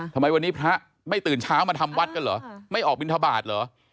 ทำไมวันนี้พระไม่ตื่นเช้ามาทำวัดกันเหรอไม่ออกบินทบาทเหรอ